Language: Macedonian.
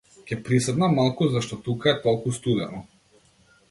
Ќе приседнам малку зашто тука е толку студено.